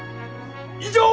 以上！